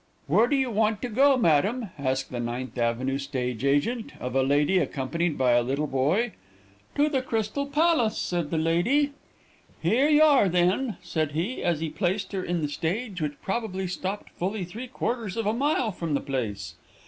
"'Where do you want to go madam?' asked the Ninth Avenue stage agent of a lady accompanied by a little boy. "'To the Crystal Palace,' said the lady. "'Here y'ar then,' said he, as he placed her in the stage which probably stopped fully three quarters of a mile from the place.